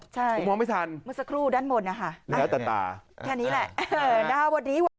แค่นี้แหละนะครับสวัสดี